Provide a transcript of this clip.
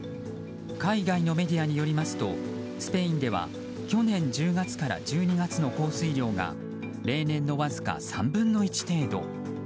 海外のメディアによりますとスペインでは去年１０月から１２月の降水量が例年のわずか３分の１程度。